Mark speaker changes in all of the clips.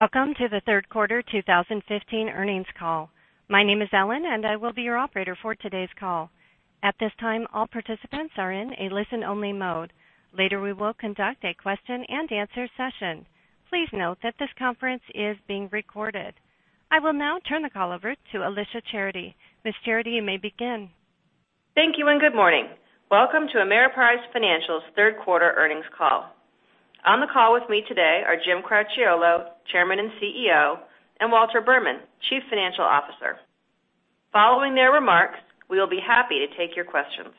Speaker 1: Welcome to the third quarter 2015 earnings call. My name is Ellen, and I will be your operator for today's call. At this time, all participants are in a listen-only mode. Later, we will conduct a question and answer session. Please note that this conference is being recorded. I will now turn the call over to Alicia Charity. Ms. Charity, you may begin.
Speaker 2: Thank you, and good morning. Welcome to Ameriprise Financial's third quarter earnings call. On the call with me today are Jim Cracchiolo, Chairman and CEO, and Walter Berman, Chief Financial Officer. Following their remarks, we will be happy to take your questions.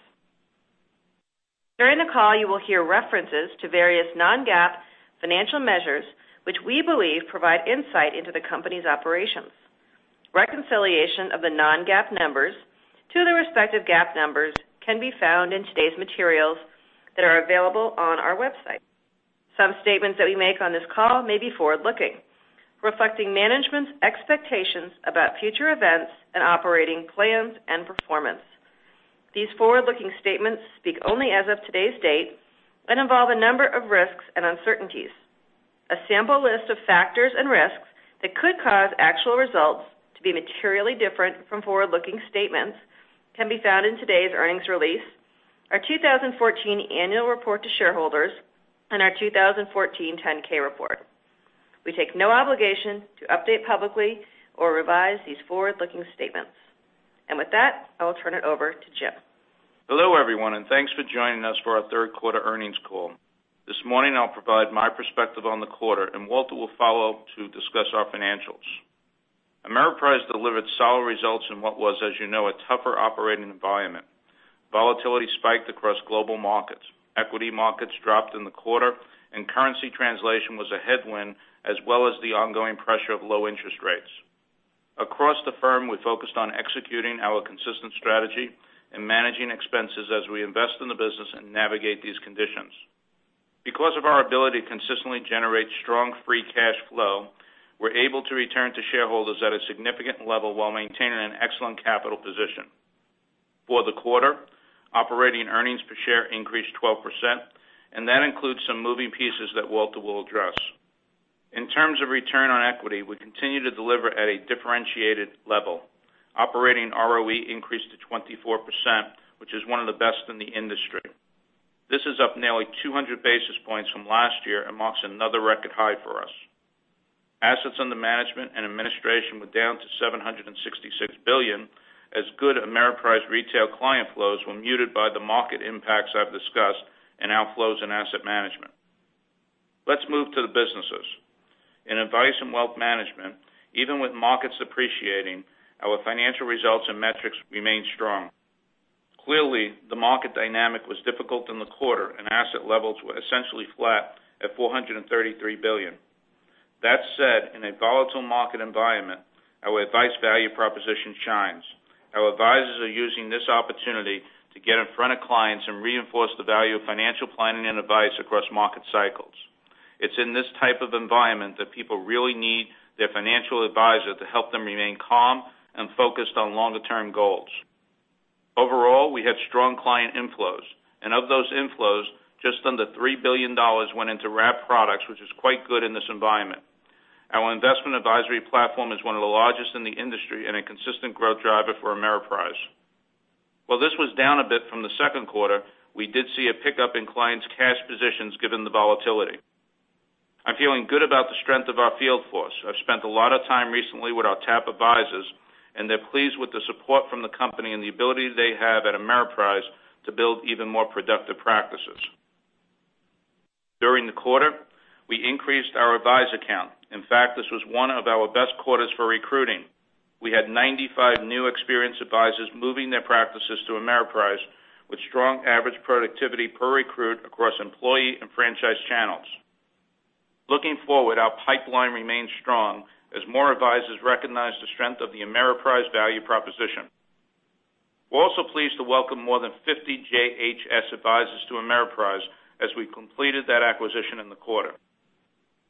Speaker 2: During the call, you will hear references to various non-GAAP financial measures, which we believe provide insight into the company's operations. Reconciliation of the non-GAAP numbers to their respective GAAP numbers can be found in today's materials that are available on our website. Some statements that we make on this call may be forward-looking, reflecting management's expectations about future events and operating plans and performance. These forward-looking statements speak only as of today's date and involve a number of risks and uncertainties. A sample list of factors and risks that could cause actual results to be materially different from forward-looking statements can be found in today's earnings release, our 2014 annual report to shareholders, and our 2014 10-K report. We take no obligation to update publicly or revise these forward-looking statements. With that, I will turn it over to Jim.
Speaker 3: Hello, everyone, and thanks for joining us for our third quarter earnings call. This morning, I'll provide my perspective on the quarter, and Walter will follow to discuss our financials. Ameriprise delivered solid results in what was, as you know, a tougher operating environment. Volatility spiked across global markets. Equity markets dropped in the quarter, and currency translation was a headwind, as well as the ongoing pressure of low interest rates. Across the firm, we focused on executing our consistent strategy and managing expenses as we invest in the business and navigate these conditions. Because of our ability to consistently generate strong free cash flow, we're able to return to shareholders at a significant level while maintaining an excellent capital position. For the quarter, operating earnings per share increased 12%, and that includes some moving pieces that Walter will address. In terms of return on equity, we continue to deliver at a differentiated level. Operating ROE increased to 24%, which is one of the best in the industry. This is up nearly 200 basis points from last year and marks another record high for us. Assets under management and administration were down to $766 billion as good Ameriprise retail client flows were muted by the market impacts I've discussed and outflows in asset management. Let's move to the businesses. In Advice & Wealth Management, even with markets appreciating, our financial results and metrics remained strong. Clearly, the market dynamic was difficult in the quarter, and asset levels were essentially flat at $433 billion. That said, in a volatile market environment, our advice value proposition shines. Our advisors are using this opportunity to get in front of clients and reinforce the value of financial planning and advice across market cycles. It's in this type of environment that people really need their financial advisor to help them remain calm and focused on longer-term goals. Overall, we had strong client inflows. Of those inflows, just under $3 billion went into wrap products, which is quite good in this environment. Our investment advisory platform is one of the largest in the industry and a consistent growth driver for Ameriprise. While this was down a bit from the second quarter, we did see a pickup in clients' cash positions given the volatility. I'm feeling good about the strength of our field force. I've spent a lot of time recently with our top advisors, and they're pleased with the support from the company and the ability they have at Ameriprise to build even more productive practices. During the quarter, we increased our advisor count. In fact, this was one of our best quarters for recruiting. We had 95 new experienced advisors moving their practices to Ameriprise, with strong average productivity per recruit across employee and franchise channels. Looking forward, our pipeline remains strong as more advisors recognize the strength of the Ameriprise value proposition. We're also pleased to welcome more than 50 JHS advisors to Ameriprise as we completed that acquisition in the quarter.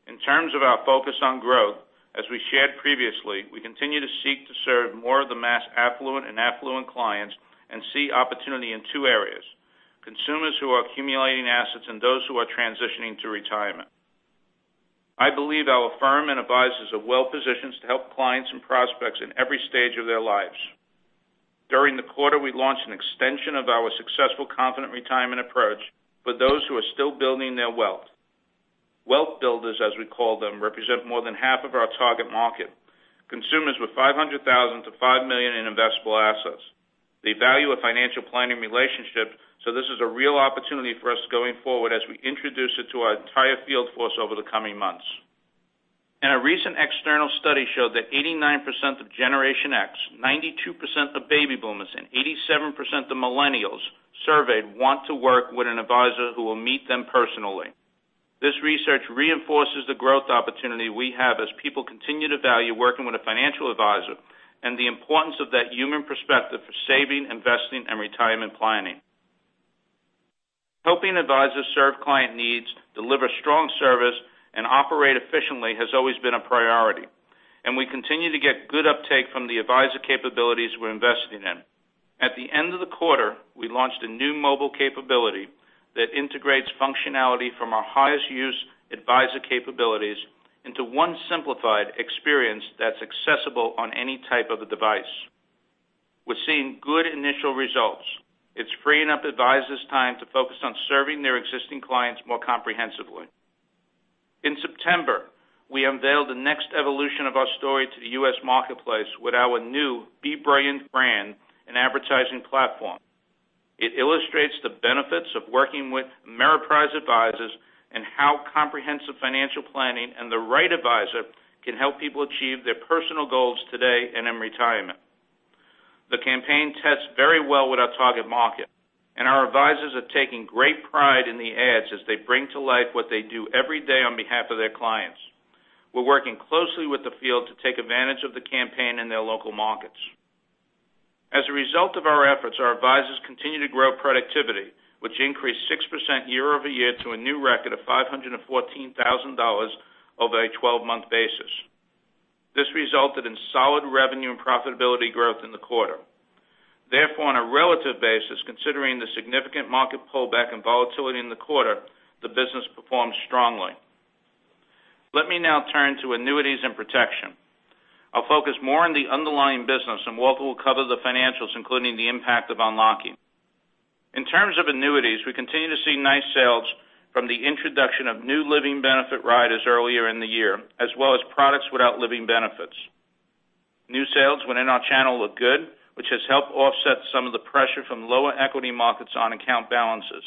Speaker 3: In terms of our focus on growth, as we shared previously, we continue to seek to serve more of the mass affluent and affluent clients and see opportunity in 2 areas: consumers who are accumulating assets and those who are transitioning to retirement. I believe our firm and advisors are well-positioned to help clients and prospects in every stage of their lives. During the quarter, we launched an extension of our successful Confident Retirement approach for those who are still building their wealth. Wealth builders, as we call them, represent more than half of our target market, consumers with $500,000 to $5 million in investable assets. They value a financial planning relationship. This is a real opportunity for us going forward as we introduce it to our entire field force over the coming months. A recent external study showed that 89% of Generation X, 92% of baby boomers, and 87% of millennials surveyed want to work with an advisor who will meet them personally. This research reinforces the growth opportunity we have as people continue to value working with a financial advisor and the importance of that human perspective for saving, investing, and retirement planning. Helping advisors serve client needs, deliver strong service, and operate efficiently has always been a priority, and we continue to get good uptake from the advisor capabilities we're investing in. At the end of the quarter, we launched a new mobile capability that integrates functionality from our highest-used advisor capabilities into one simplified experience that's accessible on any type of a device. We're seeing good initial results. It's freeing up advisors' time to focus on serving their existing clients more comprehensively. In September, we unveiled the next evolution of our story to the U.S. marketplace with our new Be Brilliant brand and advertising platform. It illustrates the benefits of working with Ameriprise advisors and how comprehensive financial planning and the right advisor can help people achieve their personal goals today and in retirement. The campaign tests very well with our target market, and our advisors are taking great pride in the ads as they bring to life what they do every day on behalf of their clients. We're working closely with the field to take advantage of the campaign in their local markets. As a result of our efforts, our advisors continue to grow productivity, which increased 6% year-over-year to a new record of $514,000 over a 12-month basis. This resulted in solid revenue and profitability growth in the quarter. On a relative basis, considering the significant market pullback and volatility in the quarter, the business performed strongly. Let me now turn to annuities and protection. I'll focus more on the underlying business, and Walter will cover the financials, including the impact of unlocking. In terms of annuities, we continue to see nice sales from the introduction of new living benefit riders earlier in the year, as well as products without living benefits. New sales within our channel look good, which has helped offset some of the pressure from lower equity markets on account balances.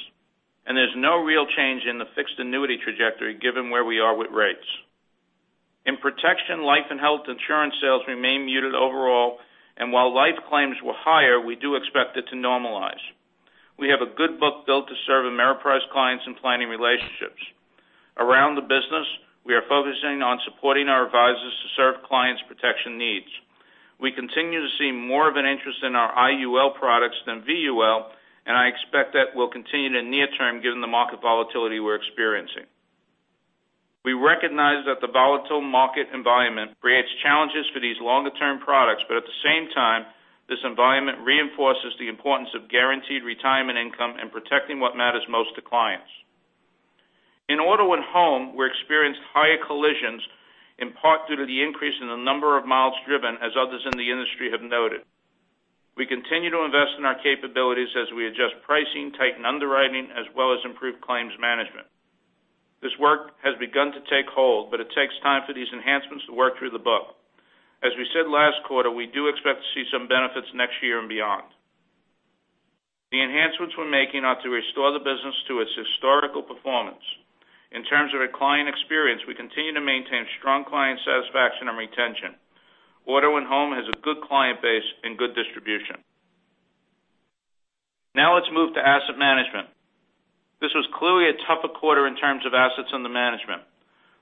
Speaker 3: There's no real change in the fixed annuity trajectory given where we are with rates. In protection, life, and health insurance sales remain muted overall, and while life claims were higher, we do expect it to normalize. We have a good book built to serve Ameriprise clients in planning relationships. Around the business, we are focusing on supporting our advisors to serve clients' protection needs. We continue to see more of an interest in our IUL products than VUL, and I expect that will continue in the near term given the market volatility we're experiencing. We recognize that the volatile market environment creates challenges for these longer-term products, at the same time, this environment reinforces the importance of guaranteed retirement income and protecting what matters most to clients. In auto and home, we experienced higher collisions, in part due to the increase in the number of miles driven, as others in the industry have noted. We continue to invest in our capabilities as we adjust pricing, tighten underwriting, as well as improve claims management. This work has begun to take hold, it takes time for these enhancements to work through the book. As we said last quarter, we do expect to see some benefits next year and beyond. The enhancements we're making are to restore the business to its historical performance. In terms of our client experience, we continue to maintain strong client satisfaction and retention. Auto and home has a good client base and good distribution. Now let's move to asset management. This was clearly a tougher quarter in terms of assets under management.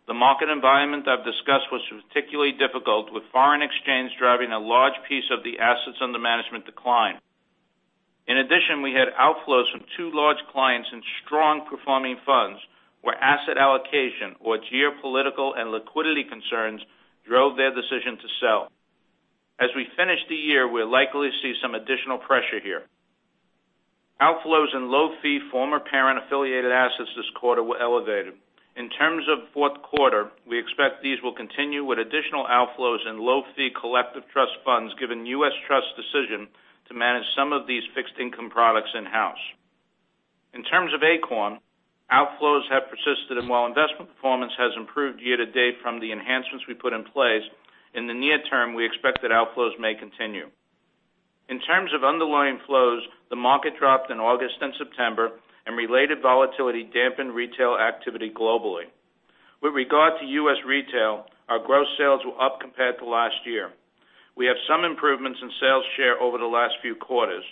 Speaker 3: The market environment I've discussed was particularly difficult, with foreign exchange driving a large piece of the assets under management decline. In addition, we had outflows from two large clients in strong-performing funds where asset allocation or geopolitical and liquidity concerns drove their decision to sell. As we finish the year, we'll likely see some additional pressure here. Outflows in low-fee former parent-affiliated assets this quarter were elevated. In terms of fourth quarter, we expect these will continue with additional outflows in low-fee collective trust funds given U.S. Trust's decision to manage some of these fixed income products in-house. In terms of ACORN, outflows have persisted, and while investment performance has improved year to date from the enhancements we put in place, in the near term, we expect that outflows may continue. In terms of underlying flows, the market dropped in August and September, and related volatility dampened retail activity globally. With regard to U.S. retail, our gross sales were up compared to last year. We have some improvements in sales share over the last few quarters,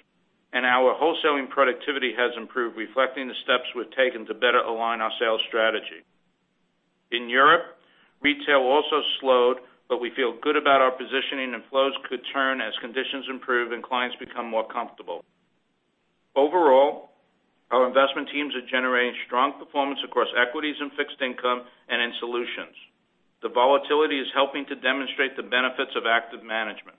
Speaker 3: and our wholesaling productivity has improved, reflecting the steps we've taken to better align our sales strategy. In Europe, retail also slowed, but we feel good about our positioning, and flows could turn as conditions improve and clients become more comfortable. Overall, our investment teams are generating strong performance across equities and fixed income and in solutions. The volatility is helping to demonstrate the benefits of active management.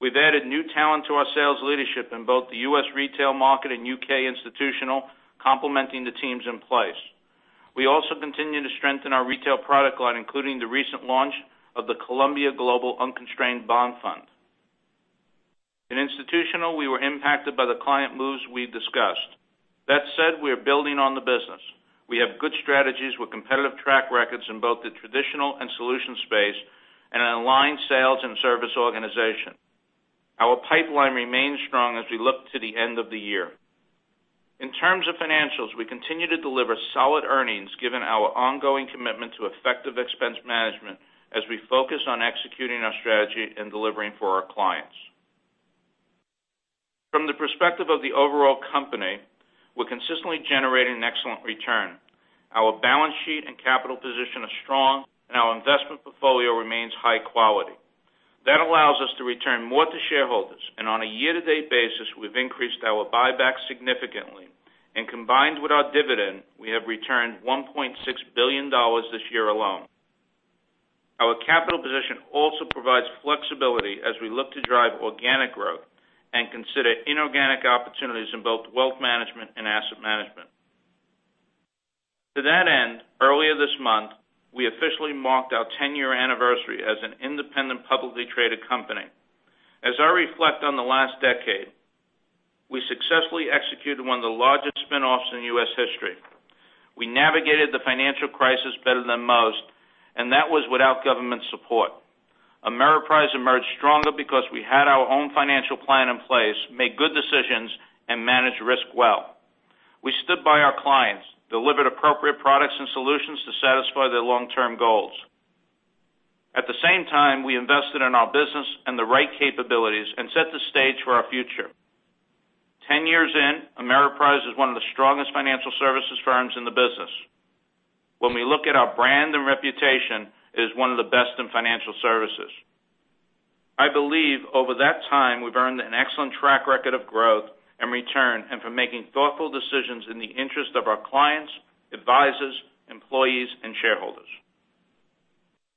Speaker 3: We've added new talent to our sales leadership in both the U.S. retail market and U.K. institutional, complementing the teams in place. We also continue to strengthen our retail product line, including the recent launch of the Columbia Global Unconstrained Bond Fund. In institutional, we were impacted by the client moves we discussed. That said, we are building on the business. We have good strategies with competitive track records in both the traditional and solution space and an aligned sales and service organization. Our pipeline remains strong as we look to the end of the year. In terms of financials, we continue to deliver solid earnings given our ongoing commitment to effective expense management as we focus on executing our strategy and delivering for our clients. From the perspective of the overall company, we're consistently generating an excellent return. Our balance sheet and capital position are strong, and our investment portfolio remains high quality. That allows us to return more to shareholders. On a year-to-date basis, we've increased our buyback significantly, and combined with our dividend, we have returned $1.6 billion this year alone. Our capital position also provides flexibility as we look to drive organic growth and consider inorganic opportunities in both wealth management and asset management. To that end, earlier this month, we officially marked our 10-year anniversary as an independent publicly traded company. As I reflect on the last decade, we successfully executed one of the largest spin-offs in U.S. history. We navigated the financial crisis better than most, and that was without government support. Ameriprise emerged stronger because we had our own financial plan in place, made good decisions, and managed risk well. We stood by our clients, delivered appropriate products and solutions to satisfy their long-term goals. At the same time, we invested in our business and the right capabilities and set the stage for our future. 10 years in, Ameriprise is one of the strongest financial services firms in the business. When we look at our brand and reputation, it is one of the best in financial services. I believe over that time, we've earned an excellent track record of growth and return and for making thoughtful decisions in the interest of our clients, advisors, employees, and shareholders.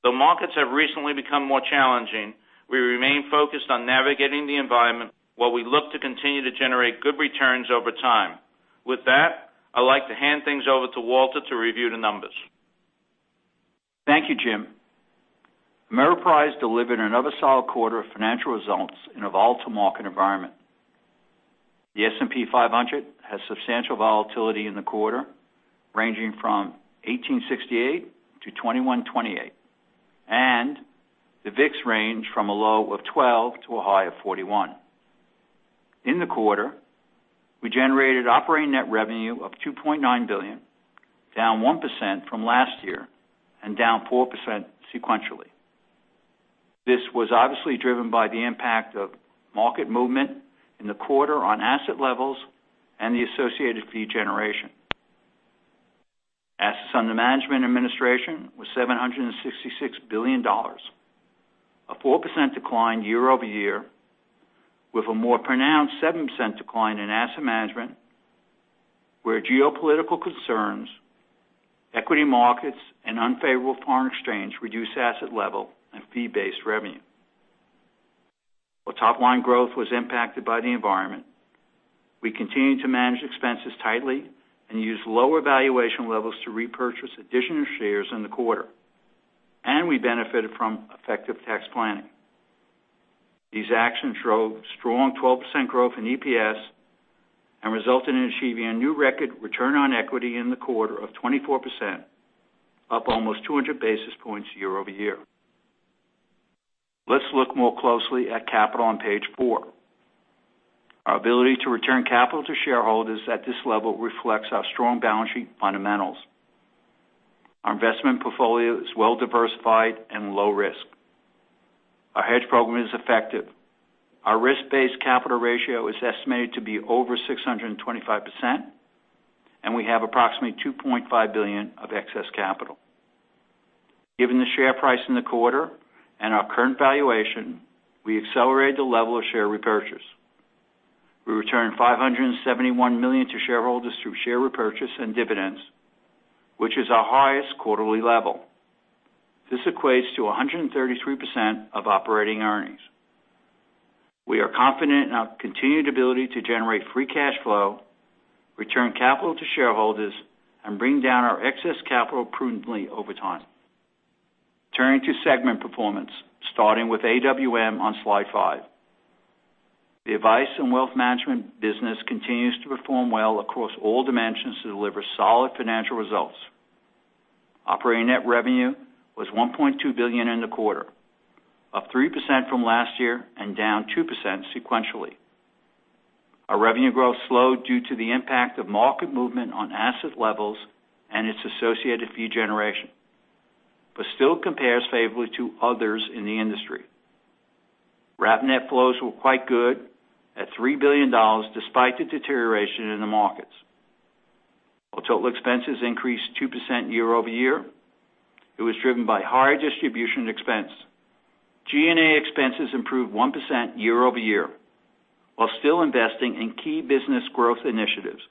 Speaker 3: Though markets have recently become more challenging, we remain focused on navigating the environment while we look to continue to generate good returns over time. With that, I'd like to hand things over to Walter to review the numbers.
Speaker 4: Thank you, Jim. Ameriprise delivered another solid quarter of financial results in a volatile market environment. The S&P 500 had substantial volatility in the quarter, ranging from 1,868 to 2,128, and the VIX ranged from a low of 12 to a high of 41. In the quarter, we generated operating net revenue of $2.9 billion, down 1% from last year and down 4% sequentially. This was obviously driven by the impact of market movement in the quarter on asset levels and the associated fee generation. Assets under management administration was $766 billion, a 4% decline year-over-year, with a more pronounced 7% decline in asset management, where geopolitical concerns, equity markets, and unfavorable foreign exchange reduced asset level and fee-based revenue. While top line growth was impacted by the environment, we continued to manage expenses tightly and used lower valuation levels to repurchase additional shares in the quarter. We benefited from effective tax planning. These actions drove strong 12% growth in EPS and resulted in achieving a new record return on equity in the quarter of 24%, up almost 200 basis points year-over-year. Let's look more closely at capital on page four. Our ability to return capital to shareholders at this level reflects our strong balance sheet fundamentals. Our investment portfolio is well-diversified and low risk. Our hedge program is effective. Our risk-based capital ratio is estimated to be over 625%, and we have approximately $2.5 billion of excess capital. Given the share price in the quarter and our current valuation, we accelerated the level of share repurchase. We returned $571 million to shareholders through share repurchase and dividends, which is our highest quarterly level. This equates to 133% of operating earnings. We are confident in our continued ability to generate free cash flow, return capital to shareholders, and bring down our excess capital prudently over time. Turning to segment performance, starting with AWM on slide five. The Advice & Wealth Management business continues to perform well across all dimensions to deliver solid financial results. Operating net revenue was $1.2 billion in the quarter, up 3% from last year and down 2% sequentially. Our revenue growth slowed due to the impact of market movement on asset levels and its associated fee generation. Still compares favorably to others in the industry. Wrap net flows were quite good at $3 billion, despite the deterioration in the markets. While total expenses increased 2% year-over-year, it was driven by higher distribution expense. G&A expenses improved 1% year-over-year while still investing in key business growth initiatives,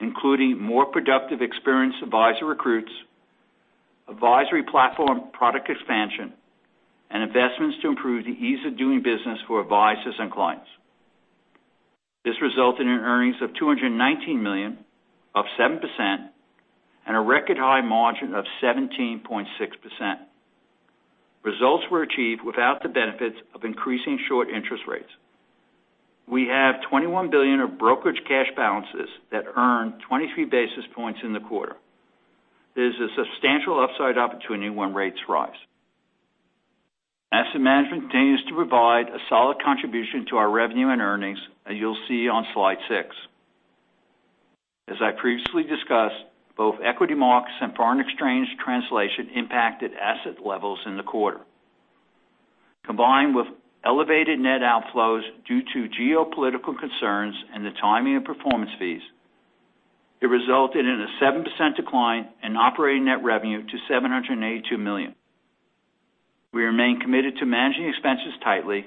Speaker 4: including more productive experienced advisor recruits, advisory platform product expansion, and investments to improve the ease of doing business for advisors and clients. This resulted in earnings of $219 million, up 7%, and a record high margin of 17.6%. Results were achieved without the benefits of increasing short interest rates. We have $21 billion of brokerage cash balances that earned 23 basis points in the quarter. There's a substantial upside opportunity when rates rise. Asset Management continues to provide a solid contribution to our revenue and earnings, as you'll see on slide six. As I previously discussed, both equity markets and foreign exchange translation impacted asset levels in the quarter. Combined with elevated net outflows due to geopolitical concerns and the timing of performance fees, it resulted in a 7% decline in operating net revenue to $782 million. We remain committed to managing expenses tightly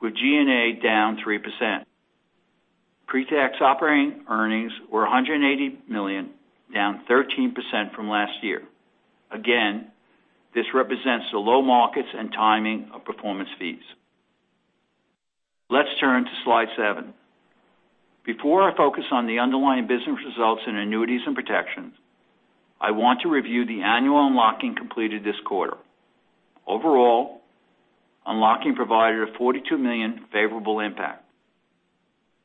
Speaker 4: with G&A down 3%. Pre-tax operating earnings were $180 million, down 13% from last year. This represents the low markets and timing of performance fees. Let's turn to slide seven. Before I focus on the underlying business results in annuities and protections, I want to review the annual unlocking completed this quarter. Overall, unlocking provided a $42 million favorable impact.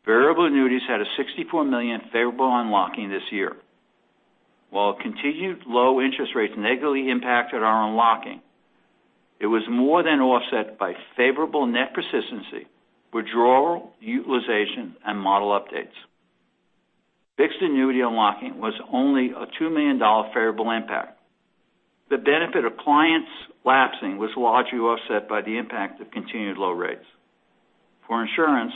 Speaker 4: variable annuities had a $64 million favorable unlocking this year. While continued low interest rates negatively impacted our unlocking, it was more than offset by favorable net persistency, withdrawal, utilization, and model updates. fixed annuity unlocking was only a $2 million favorable impact. The benefit of clients lapsing was largely offset by the impact of continued low rates. For insurance,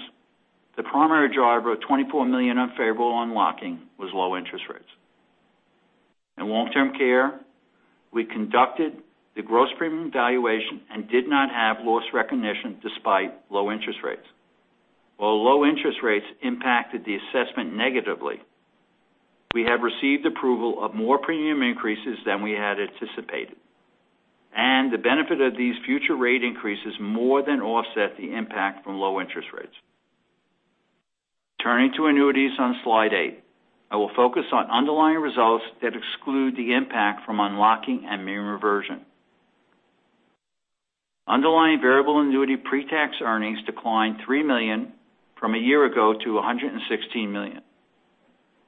Speaker 4: the primary driver of $24 million unfavorable unlocking was low interest rates. In long-term care, we conducted the gross premium valuation and did not have loss recognition despite low interest rates. While low interest rates impacted the assessment negatively, we have received approval of more premium increases than we had anticipated, and the benefit of these future rate increases more than offset the impact from low interest rates. Turning to annuities on Slide 8, I will focus on underlying results that exclude the impact from unlocking and mean reversion. Underlying variable annuity pre-tax earnings declined $3 million from a year ago to $116 million.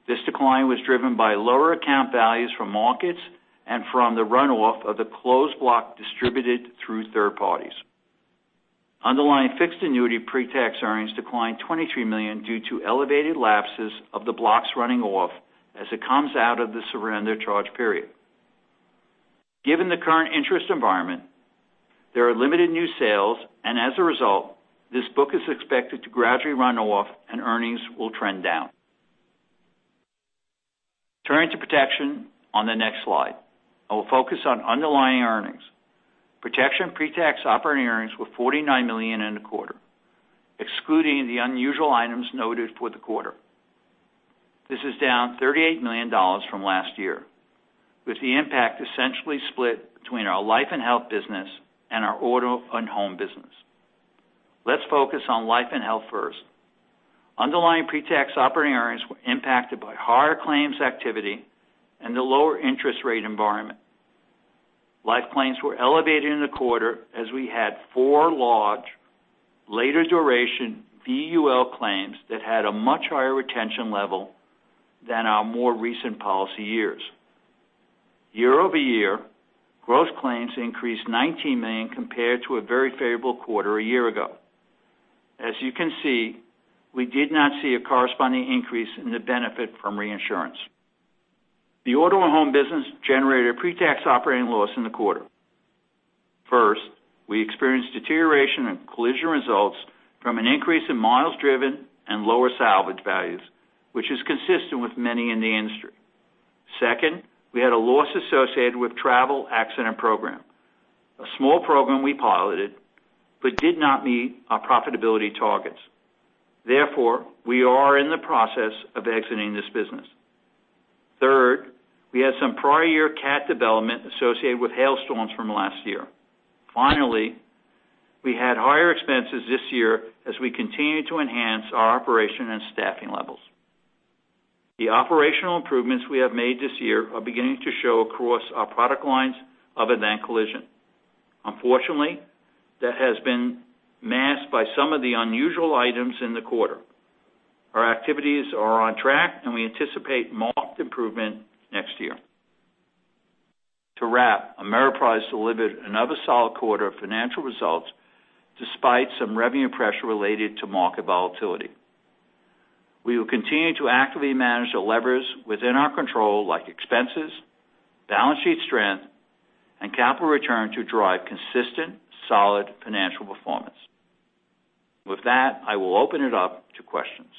Speaker 4: This decline was driven by lower account values from markets and from the run-off of the closed block distributed through third parties. Underlying fixed annuity pre-tax earnings declined $23 million due to elevated lapses of the blocks running off as it comes out of the surrender charge period. Given the current interest environment, there are limited new sales, and as a result, this book is expected to gradually run off and earnings will trend down. Turning to protection on the next slide, I will focus on underlying earnings. Protection pre-tax operating earnings were $49 million in the quarter, excluding the unusual items noted for the quarter. This is down $38 million from last year, with the impact essentially split between our life and health business and our auto and home business. Let's focus on life and health first. Underlying pre-tax operating earnings were impacted by higher claims activity and the lower interest rate environment. Life claims were elevated in the quarter as we had four large, later duration UL claims that had a much higher retention level than our more recent policy years. Year-over-year, gross claims increased $19 million compared to a very favorable quarter a year ago. As you can see, we did not see a corresponding increase in the benefit from reinsurance. The auto and home business generated a pre-tax operating loss in the quarter. First, we experienced deterioration in collision results from an increase in miles driven and lower salvage values, which is consistent with many in the industry. Second, we had a loss associated with travel accident program, a small program we piloted, but did not meet our profitability targets. Therefore, we are in the process of exiting this business. Third, we had some prior year CAT development associated with hailstorms from last year. Finally, we had higher expenses this year as we continue to enhance our operation and staffing levels. The operational improvements we have made this year are beginning to show across our product lines other than collision. Unfortunately, that has been masked by some of the unusual items in the quarter. Our activities are on track, and we anticipate marked improvement next year. To wrap, Ameriprise delivered another solid quarter of financial results despite some revenue pressure related to market volatility. We will continue to actively manage the levers within our control, like expenses, balance sheet strength, and capital return to drive consistent, solid financial performance. With that, I will open it up to questions.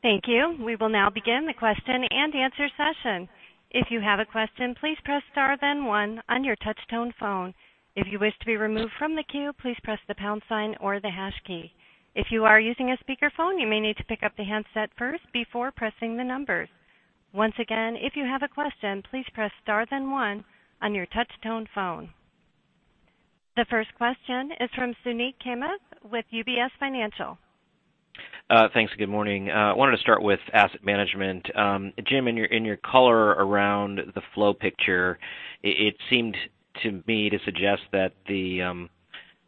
Speaker 1: Thank you. We will now begin the question and answer session. If you have a question, please press star then one on your touch tone phone. If you wish to be removed from the queue, please press the pound sign or the hash key. If you are using a speakerphone, you may need to pick up the handset first before pressing the numbers. Once again, if you have a question, please press star then one on your touch tone phone. The first question is from Suneet Kamath with UBS.
Speaker 5: Thanks. Good morning. I wanted to start with asset management. Jim, in your color around the flow picture, it seemed to me to suggest that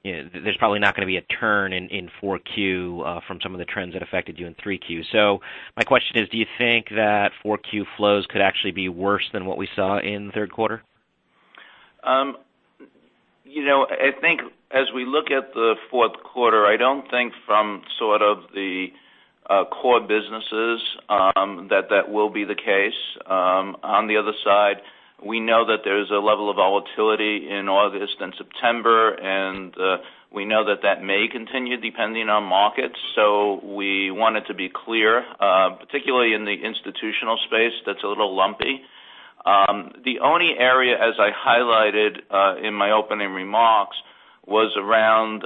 Speaker 5: there's probably not going to be a turn in 4Q from some of the trends that affected you in 3Q. My question is, do you think that 4Q flows could actually be worse than what we saw in the third quarter?
Speaker 3: I think as we look at the fourth quarter, I don't think from the core businesses that that will be the case. On the other side, we know that there's a level of volatility in August and September, and we know that that may continue depending on markets. We wanted to be clear Institutional space that's a little lumpy. The only area, as I highlighted in my opening remarks, was around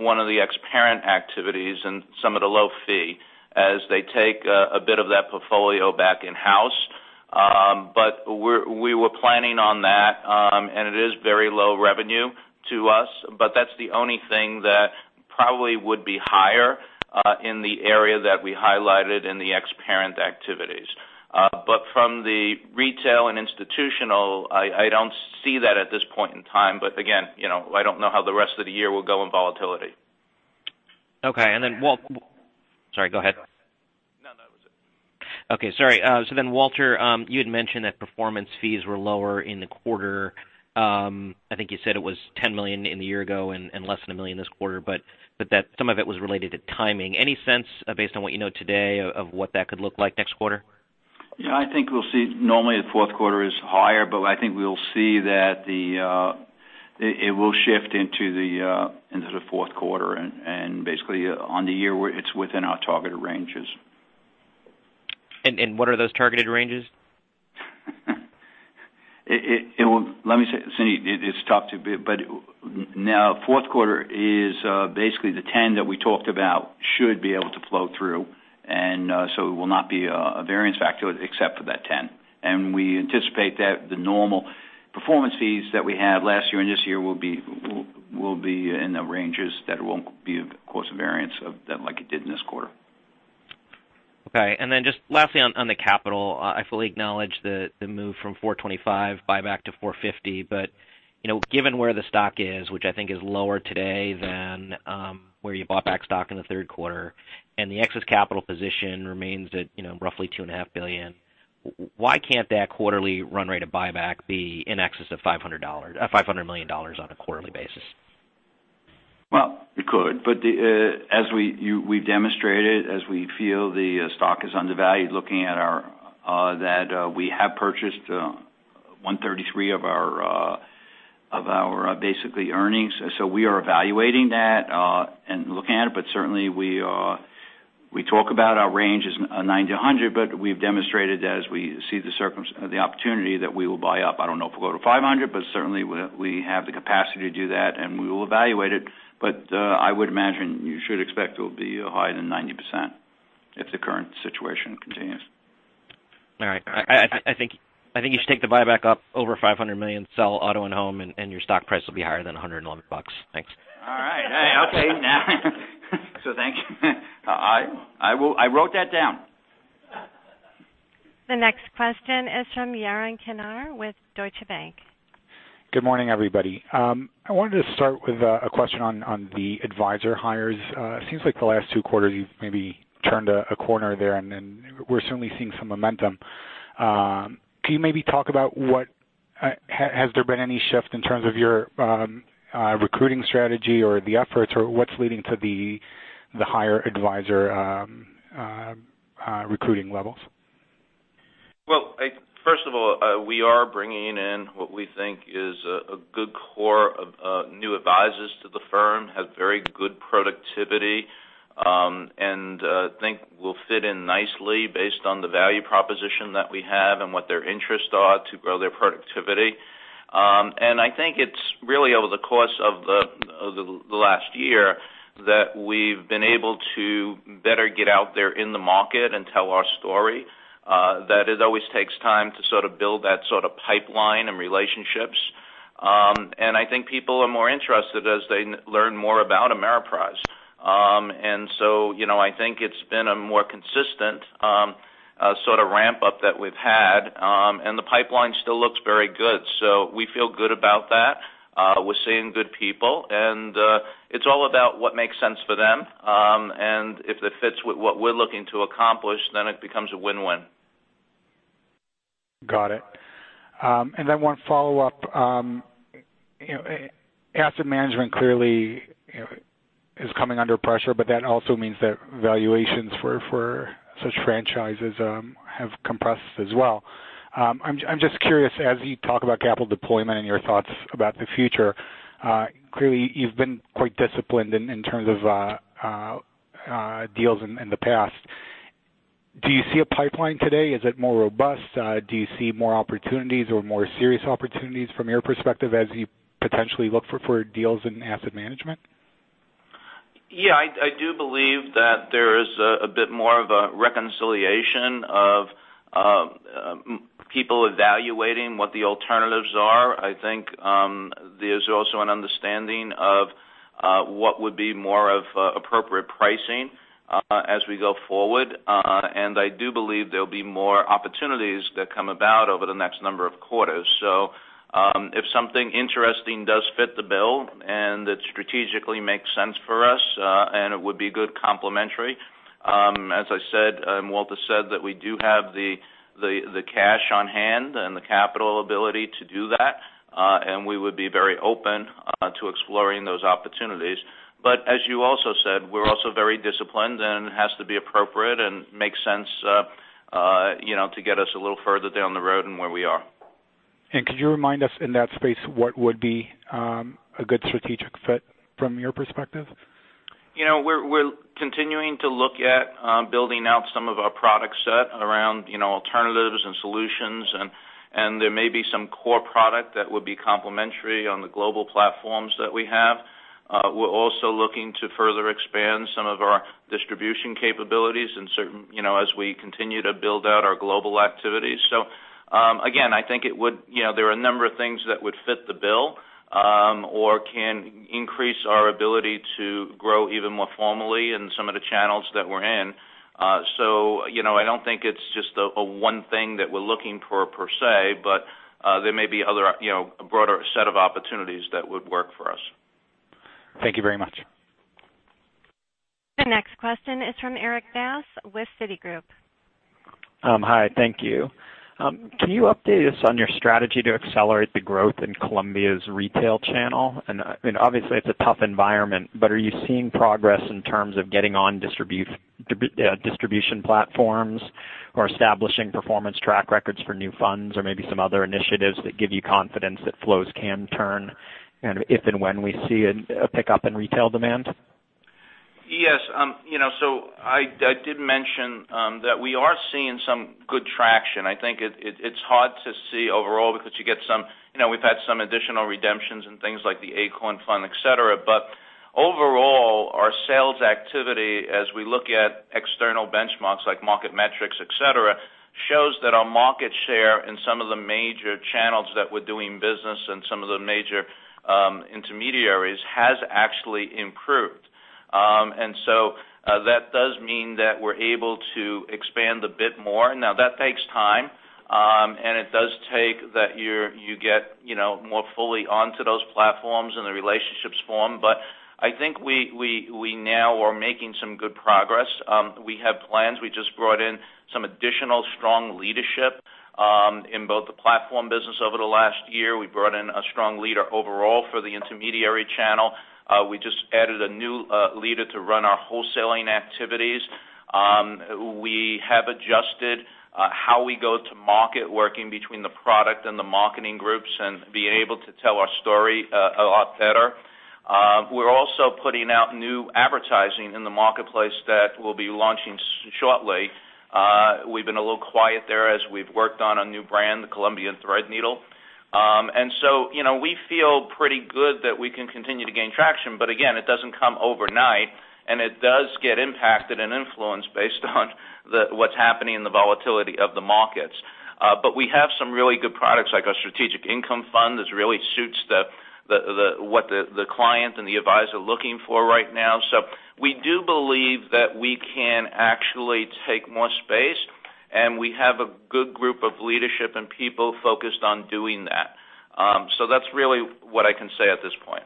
Speaker 3: one of the ex-parent activities and some of the low fee as they take a bit of that portfolio back in-house. We were planning on that, and it is very low revenue to us, but that's the only thing that probably would be higher in the area that we highlighted in the ex-parent activities. From the retail and institutional, I don't see that at this point in time.
Speaker 4: Again, I don't know how the rest of the year will go in volatility.
Speaker 5: Okay. Sorry, go ahead.
Speaker 4: No, that was it.
Speaker 5: Okay, sorry. Walter, you had mentioned that performance fees were lower in the quarter. I think you said it was $10 million in the year ago and less than $1 million this quarter, but that some of it was related to timing. Any sense, based on what you know today, of what that could look like next quarter?
Speaker 4: Yeah, I think we'll see normally the fourth quarter is higher. I think we'll see that it will shift into the fourth quarter and basically on the year it's within our targeted ranges.
Speaker 5: What are those targeted ranges?
Speaker 4: Let me say, Suneet, now fourth quarter is basically the $10 that we talked about should be able to flow through, it will not be a variance factor except for that $10. We anticipate that the normal performance fees that we had last year and this year will be in the ranges that it won't be, of course, a variance of like it did in this quarter.
Speaker 5: Okay. Then just lastly on the capital, I fully acknowledge the move from $425 buyback to $450. Given where the stock is, which I think is lower today than where you bought back stock in the third quarter, and the excess capital position remains at roughly $2.5 billion, why can't that quarterly run rate of buyback be in excess of $500 million on a quarterly basis?
Speaker 4: Well, it could, but as we've demonstrated, as we feel the stock is undervalued, looking at our that we have purchased 133 of our basically earnings. We are evaluating that, and looking at it, but certainly we talk about our range as 90%-100%, but we've demonstrated that as we see the opportunity that we will buy up. I don't know if we'll go to $500 million, but certainly we have the capacity to do that, and we will evaluate it. I would imagine you should expect it will be higher than 90% if the current situation continues.
Speaker 5: All right. I think you should take the buyback up over $500 million, sell auto and home, and your stock price will be higher than $111. Thanks.
Speaker 4: All right. Okay. Thank you. I wrote that down.
Speaker 1: The next question is from Yaron Kinar with Deutsche Bank.
Speaker 6: Good morning, everybody. I wanted to start with a question on the advisor hires. It seems like the last two quarters you've maybe turned a corner there, and we're certainly seeing some momentum. Can you maybe talk about what, has there been any shift in terms of your recruiting strategy or the efforts or what's leading to the higher advisor recruiting levels?
Speaker 3: Well, first of all, we are bringing in what we think is a good core of new advisors to the firm, have very good productivity, and think will fit in nicely based on the value proposition that we have and what their interests are to grow their productivity. I think it's really over the course of the last year that we've been able to better get out there in the market and tell our story, that it always takes time to sort of build that sort of pipeline and relationships. I think people are more interested as they learn more about Ameriprise. I think it's been a more consistent sort of ramp-up that we've had. The pipeline still looks very good, so we feel good about that. We're seeing good people, and it's all about what makes sense for them. If it fits with what we're looking to accomplish, then it becomes a win-win.
Speaker 6: Got it. One follow-up. Asset management clearly is coming under pressure, but that also means that valuations for such franchises have compressed as well. I'm just curious, as you talk about capital deployment and your thoughts about the future, clearly you've been quite disciplined in terms of deals in the past. Do you see a pipeline today? Is it more robust? Do you see more opportunities or more serious opportunities from your perspective as you potentially look for deals in asset management?
Speaker 3: Yeah, I do believe that there is a bit more of a reconciliation of people evaluating what the alternatives are. I think there's also an understanding of what would be more of appropriate pricing as we go forward. I do believe there'll be more opportunities that come about over the next number of quarters. If something interesting does fit the bill and it strategically makes sense for us, and it would be good complementary. As I said, Walter said that we do have the cash on hand and the capital ability to do that. We would be very open to exploring those opportunities. As you also said, we're also very disciplined, and it has to be appropriate and make sense to get us a little further down the road in where we are.
Speaker 6: Could you remind us in that space what would be a good strategic fit from your perspective?
Speaker 3: We're continuing to look at building out some of our product set around alternatives and solutions. There may be some core product that would be complementary on the global platforms that we have. We're also looking to further expand some of our distribution capabilities as we continue to build out our global activities. Again, I think there are a number of things that would fit the bill or can increase our ability to grow even more formally in some of the channels that we're in. I don't think it's just a one thing that we're looking for per se, but there may be a broader set of opportunities that would work for us.
Speaker 6: Thank you very much.
Speaker 1: The next question is from Erik Bass with Citigroup.
Speaker 7: Hi, thank you. Can you update us on your strategy to accelerate the growth in Columbia's retail channel? Obviously, it's a tough environment, but are you seeing progress in terms of getting on distribution platforms or establishing performance track records for new funds or maybe some other initiatives that give you confidence that flows can turn if and when we see a pickup in retail demand?
Speaker 3: Yes. I did mention that we are seeing some good traction. I think it's hard to see overall because we've had some additional redemptions and things like the Acorn Fund, et cetera. Overall, our sales activity, as we look at external benchmarks like MarketMetrics, et cetera, shows that our market share in some of the major channels that we're doing business in, some of the major intermediaries, has actually improved. That does mean that we're able to expand a bit more now. That takes time, and it does take that you get more fully onto those platforms and the relationships form. I think we now are making some good progress. We have plans. We just brought in some additional strong leadership in both the platform business over the last year. We brought in a strong leader overall for the intermediary channel. We just added a new leader to run our wholesaling activities. We have adjusted how we go to market, working between the product and the marketing groups and being able to tell our story a lot better. We're also putting out new advertising in the marketplace that we'll be launching shortly. We've been a little quiet there as we've worked on a new brand, the Columbia Threadneedle. We feel pretty good that we can continue to gain traction. Again, it doesn't come overnight, and it does get impacted and influenced based on what's happening in the volatility of the markets. We have some really good products, like our Strategic Income Fund, that really suits what the client and the advisor are looking for right now. We do believe that we can actually take more space, and we have a good group of leadership and people focused on doing that. That's really what I can say at this point.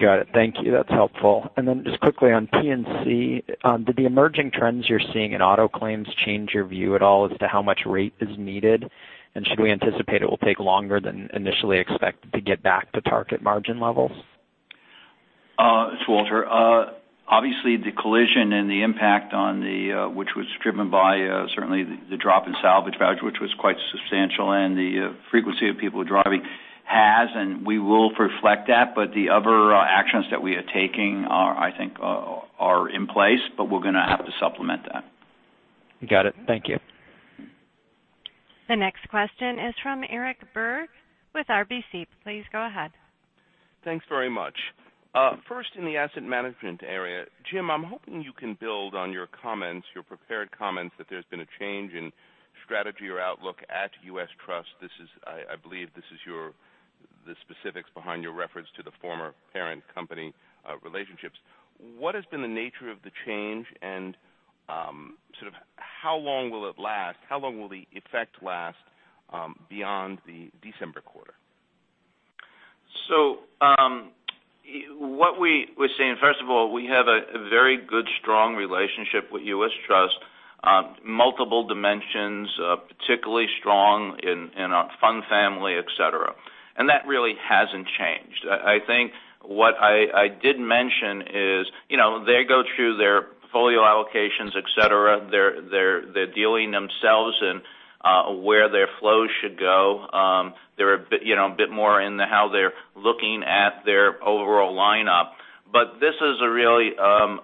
Speaker 7: Got it. Thank you. That's helpful. Just quickly on P&C, do the emerging trends you're seeing in auto claims change your view at all as to how much rate is needed? Should we anticipate it will take longer than initially expected to get back to target margin levels?
Speaker 4: It's Walter. Obviously, the collision and the impact, which was driven by certainly the drop in salvage value, which was quite substantial, and the frequency of people driving, and we will reflect that. The other actions that we are taking, I think, are in place. We're going to have to supplement that.
Speaker 7: Got it. Thank you.
Speaker 1: The next question is from Eric Berg with RBC. Please go ahead.
Speaker 8: Thanks very much. First, in the asset management area, Jim, I'm hoping you can build on your prepared comments that there's been a change in strategy or outlook at U.S. Trust. I believe this is the specifics behind your reference to the former parent company relationships. What has been the nature of the change, and how long will the effect last beyond the December quarter?
Speaker 3: What we're saying, first of all, we have a very good, strong relationship with U.S. Trust. Multiple dimensions, particularly strong in our fund family, et cetera. That really hasn't changed. I think what I did mention is they go through their portfolio allocations, et cetera. They're dealing themselves in where their flows should go. They're a bit more in how they're looking at their overall lineup. This is really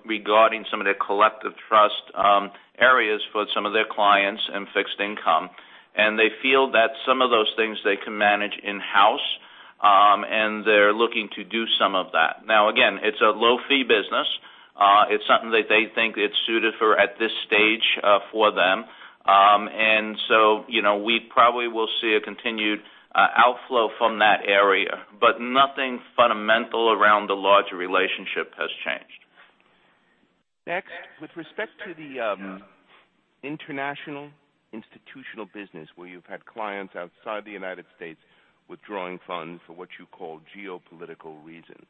Speaker 3: regarding some of their collective trust funds for some of their clients and fixed income. They feel that some of those things they can manage in-house, and they're looking to do some of that. Now, again, it's a low-fee business. It's something that they think it's suited for at this stage for them. We probably will see a continued outflow from that area, but nothing fundamental around the larger relationship has changed.
Speaker 8: With respect to the international institutional business, where you've had clients outside the U.S. withdrawing funds for what you call geopolitical reasons,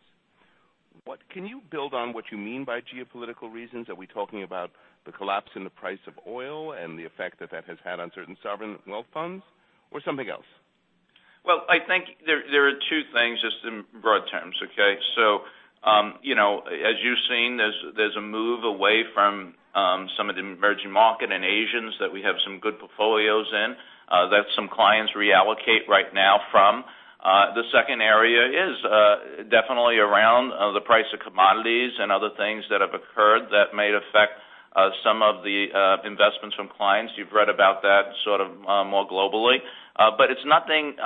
Speaker 8: can you build on what you mean by geopolitical reasons? Are we talking about the collapse in the price of oil and the effect that that has had on certain sovereign wealth funds or something else?
Speaker 3: Well, I think there are two things, just in broad terms, okay? As you've seen, there's a move away from some of the emerging market and Asians that we have some good portfolios in, that some clients reallocate right now from. The second area is definitely around the price of commodities and other things that have occurred that may affect some of the investments from clients. You've read about that more globally. It's nothing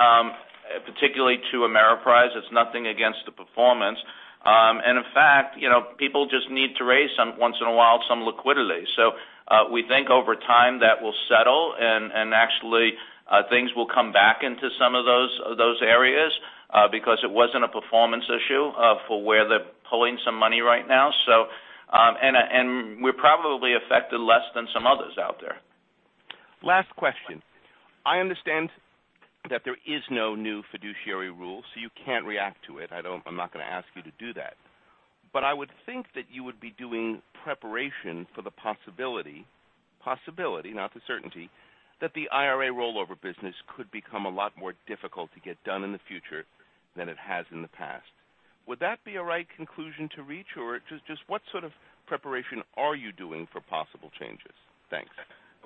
Speaker 3: particularly to Ameriprise. It's nothing against the performance. In fact, people just need to raise once in a while some liquidity. We think over time that will settle, and actually things will come back into some of those areas because it wasn't a performance issue for where they're pulling some money right now. We're probably affected less than some others out there.
Speaker 8: Last question. I understand that there is no new fiduciary rule, you can't react to it. I'm not going to ask you to do that. I would think that you would be doing preparation for the possibility, not the certainty, that the IRA rollover business could become a lot more difficult to get done in the future than it has in the past. Would that be a right conclusion to reach? Just what sort of preparation are you doing for possible changes? Thanks.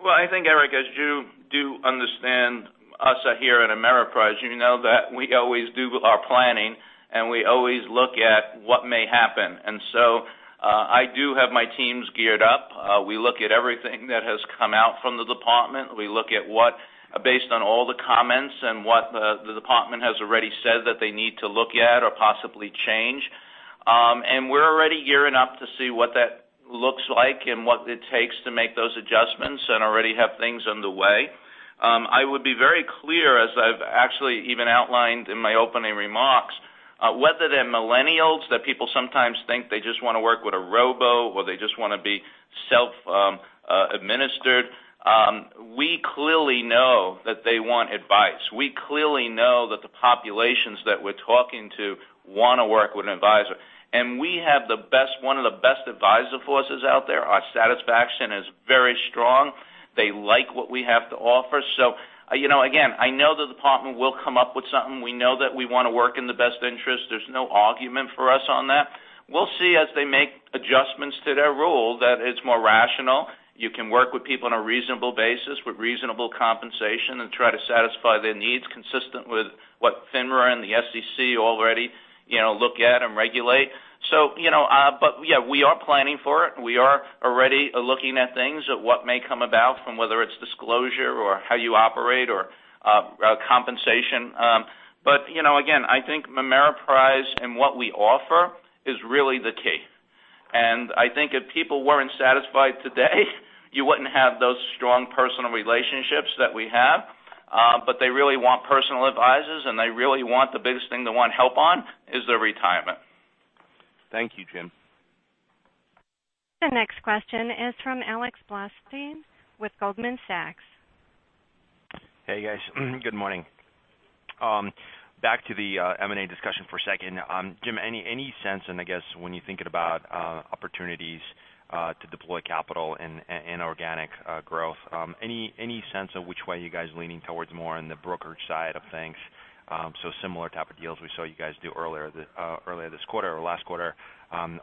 Speaker 3: Well, I think, Eric, as you do understand us here at Ameriprise, you know that we always do our planning, we always look at what may happen. I do have my teams geared up. We look at everything that has come out from the department. We look at based on all the comments and what the department has already said that they need to look at or possibly change. We're already gearing up to see what that looks like and what it takes to make those adjustments, and already have things underway. I would be very clear, as I've actually even outlined in my opening remarks, whether they're Millennials, that people sometimes think they just want to work with a robo or they just want to be self-administered. We clearly know that they want advice. We clearly know that the populations that we're talking to want to work with an advisor. We have one of the best advisor forces out there. Our satisfaction is very strong. They like what we have to offer. Again, I know the department will come up with something. We know that we want to work in the best interest. There's no argument for us on that. We'll see as they make adjustments to their rule that it's more rational. You can work with people on a reasonable basis with reasonable compensation and try to satisfy their needs consistent with what FINRA and the SEC already look at and regulate. We are planning for it, and we are already looking at things at what may come about from whether it's disclosure or how you operate or compensation. Again, I think Ameriprise and what we offer is really the key. I think if people weren't satisfied today, you wouldn't have those strong personal relationships that we have. They really want personal advisors, and they really want the biggest thing they want help on is their retirement.
Speaker 8: Thank you, Jim.
Speaker 1: The next question is from Alex Blostein with Goldman Sachs.
Speaker 9: Hey, guys. Good morning. Back to the M&A discussion for a second. Jim, any sense, I guess when you're thinking about opportunities to deploy capital in organic growth, any sense of which way you guys leaning towards more on the brokerage side of things? Similar type of deals we saw you guys do earlier this quarter or last quarter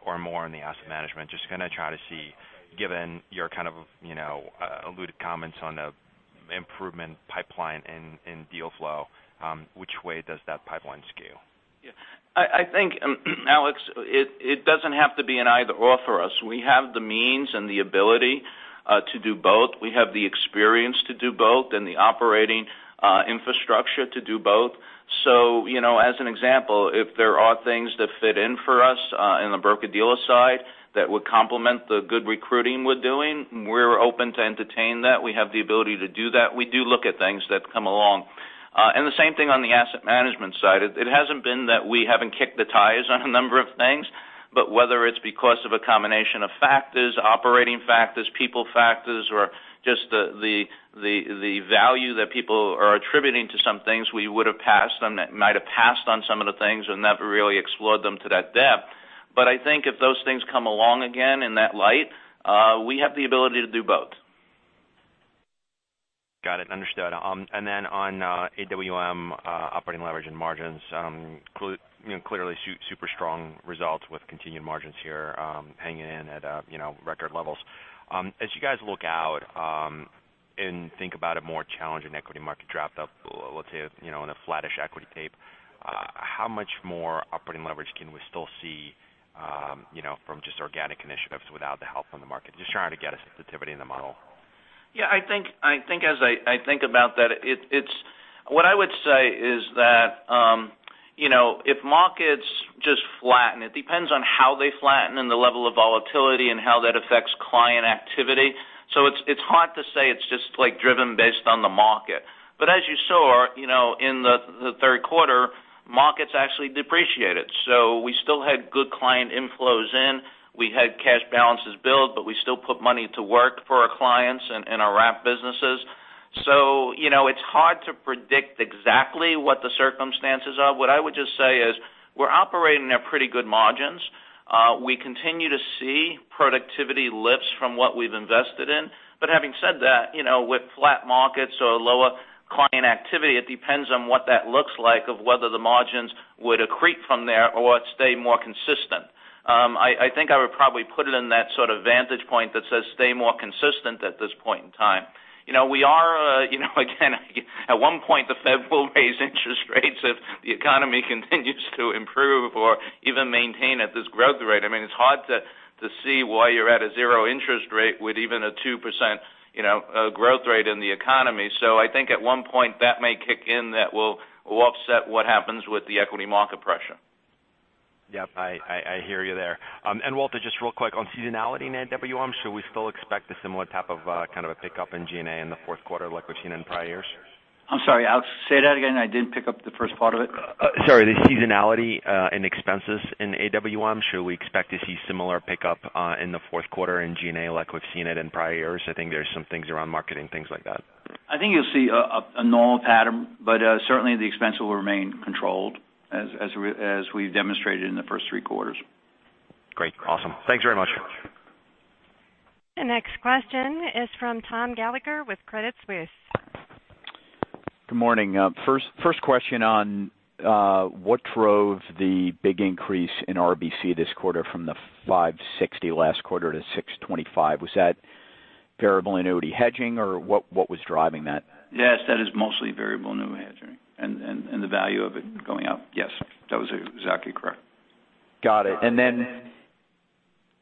Speaker 9: or more on the asset management. Just going to try to see, given your kind of alluded comments on the improvement pipeline in deal flow, which way does that pipeline scale?
Speaker 3: Yeah. I think, Alex, it doesn't have to be an either/or for us. We have the means and the ability to do both. We have the experience to do both and the operating infrastructure to do both. As an example, if there are things that fit in for us in the broker-dealer side that would complement the good recruiting we're doing, we're open to entertain that. We have the ability to do that. We do look at things that come along. The same thing on the asset management side. It hasn't been that we haven't kicked the tires on a number of things, whether it's because of a combination of factors, operating factors, people factors, or just the value that people are attributing to some things, we would have passed on that, might have passed on some of the things and never really explored them to that depth. I think if those things come along again in that light, we have the ability to do both.
Speaker 9: Got it. Understood. Then on AWM operating leverage and margins, clearly super strong results with continued margins here hanging in at record levels. As you guys look out and think about a more challenging equity market choppy, let's say, in a flattish equity tape, how much more operating leverage can we still see from just organic initiatives without the help from the market? Just trying to get a sensitivity in the model.
Speaker 3: Yeah, I think as I think about that, what I would say is that if markets just flatten, it depends on how they flatten and the level of volatility, and how that affects client activity. It's hard to say it's just driven based on the market. As you saw, in the third quarter, markets actually depreciated. We still had good client inflows in. We had cash balances build, but we still put money to work for our clients in our wrap businesses. It's hard to predict exactly what the circumstances are. What I would just say is we're operating at pretty good margins. We continue to see productivity lifts from what we've invested in. Having said that, with flat markets or lower client activity, it depends on what that looks like of whether the margins would accrete from there or stay more consistent. I think I would probably put it in that sort of vantage point that says stay more consistent at this point in time. Again, at one point, the Fed will raise interest rates if the economy continues to improve or even maintain at this growth rate. It's hard to see why you're at a zero interest rate with even a 2% growth rate in the economy. I think at one point that may kick in, that will offset what happens with the equity market pressure.
Speaker 9: Yep, I hear you there. Walter, just real quick on seasonality in AWM, should we still expect a similar type of kind of a pickup in G&A in the fourth quarter like we've seen in prior years?
Speaker 4: I'm sorry, say that again. I didn't pick up the first part of it.
Speaker 9: Sorry, the seasonality in expenses in AWM. Should we expect to see similar pickup in the fourth quarter in G&A like we've seen it in prior years? I think there's some things around marketing, things like that.
Speaker 4: I think you'll see a normal pattern, certainly the expense will remain controlled as we've demonstrated in the first three quarters.
Speaker 9: Great. Awesome. Thanks very much.
Speaker 1: The next question is from Thomas Gallagher with Credit Suisse.
Speaker 10: Good morning. First question on what drove the big increase in RBC this quarter from the 560 last quarter to 625. Was that variable annuity hedging or what was driving that?
Speaker 4: Yes, that is mostly variable annuity hedging and the value of it going up. Yes, that was exactly correct.
Speaker 10: Got it. Then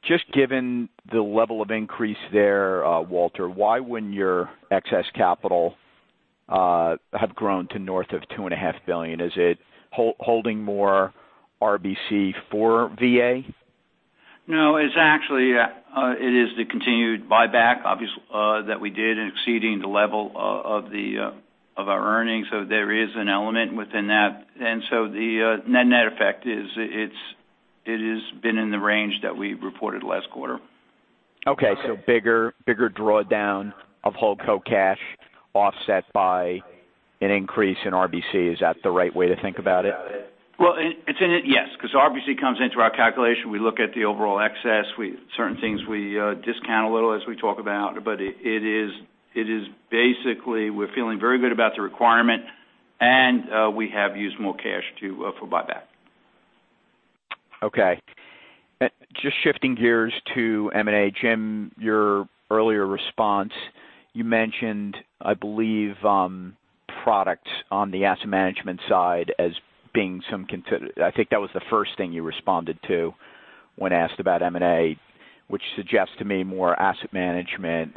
Speaker 10: just given the level of increase there, Walter, why wouldn't your excess capital have grown to north of $2.5 billion? Is it holding more RBC for VA?
Speaker 4: No. It is the continued buyback, obvious that we did in exceeding the level of our earnings. There is an element within that. The net effect is it has been in the range that we reported last quarter.
Speaker 10: Okay. Bigger drawdown of holdco cash offset by an increase in RBC. Is that the right way to think about it?
Speaker 4: Well, yes, because RBC comes into our calculation. We look at the overall excess. Certain things we discount a little as we talk about, but it is basically we're feeling very good about the requirement, and we have used more cash for buyback.
Speaker 10: Okay. Just shifting gears to M&A. Jim, your earlier response, you mentioned, I believe, products on the asset management side as being I think that was the first thing you responded to when asked about M&A, which suggests to me more asset management